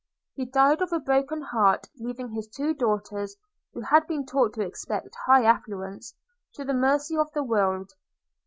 He died of a broken heart, leaving his two daughters, who had been taught to expect high affluence, to the mercy of the world.